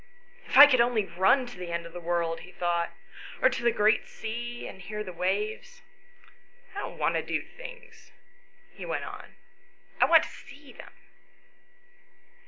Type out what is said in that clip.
" If I could only run to the end of the world," he thought, " or to the great sea, and hear the waves. I don't want to do things," he went on. " I want to see them."